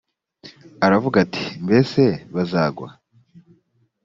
aravuga ati mbese bazagwa